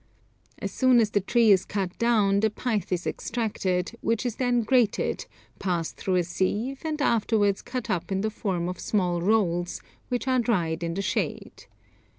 As soon as the tree is cut down, the pith is extracted, which is then grated, passed through a sieve, and afterwards cut up in the form of small rolls, which are dried in the shade.